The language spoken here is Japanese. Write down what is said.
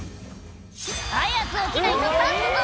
「早く起きないと刺すぞ」